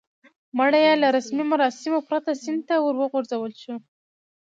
مړی یې له رسمي مراسمو پرته سیند ته ور وغورځول شو.